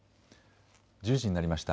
１０時になりました。